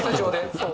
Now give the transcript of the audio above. そう。